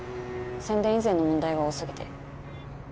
宣伝以前の問題が多すぎて。